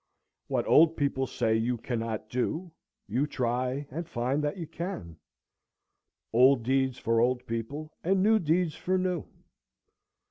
What old people say you cannot do you try and find that you can. Old deeds for old people, and new deeds for new.